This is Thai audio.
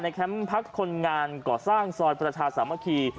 แคมป์พักคนงานก่อสร้างซอยประชาสามัคคี